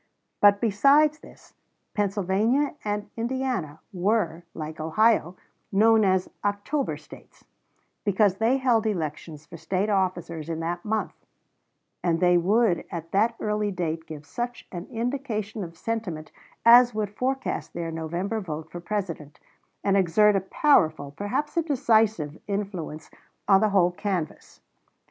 But besides this, Pennsylvania and Indiana were, like Ohio, known as "October States," because they held elections for State officers in that month; and they would at that early date give such an indication of sentiment as would forecast their November vote for President, and exert a powerful, perhaps a decisive, influence on the whole canvass.